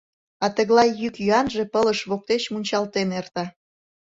А тыглай йӱк-йӱанже пылыш воктеч мунчалтен эрта.